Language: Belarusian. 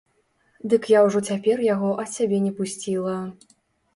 Дык я ўжо цяпер яго ад сябе не пусціла.